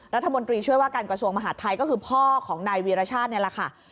รัฐมนตรีช่วยว่าการกระทรวงมหาดไทยก็คือพ่อของนายวีรชาตินี่แหละค่ะ